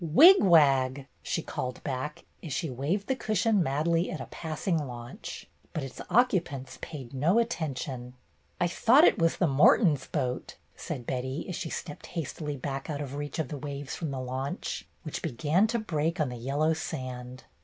"Wig wag," she called back, as she waved the cushion madly at a passing launch. But its occupants paid no attention. "I thought it was the Mortons' boat," said Betty, as she stepped hastily back out of reach of the waves from the launch, which began to break on the yellow sand.